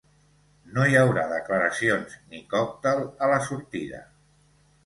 No hi haurà declaracions ni còctel a la sortida.